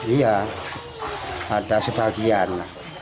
iya ada sebagian